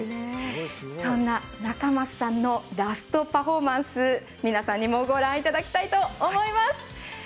そんな仲舛さんのラストパフォーマンス、皆さんにもご覧いただきたいと思います。